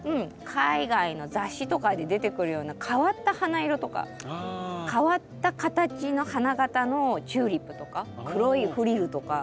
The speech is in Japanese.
海外の雑誌とかで出てくるような変わった花色とか変わった形の花形のチューリップとか黒いフリルとか。